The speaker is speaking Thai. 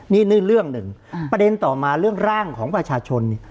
นี่เรื่องหนึ่งประเด็นต่อมาเรื่องร่างของประชาชน